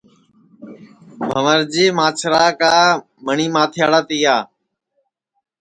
بھنٚورجی مانٚچھرا کا مٹؔی ماتھیڑا تِیا